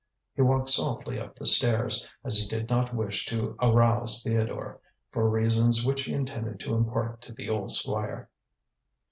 He walked softly up the stairs, as he did not wish to arouse Theodore, for reasons which he intended to impart to the old Squire.